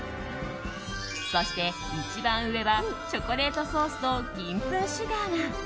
そして一番上はチョコレートソースと銀粉シュガーが。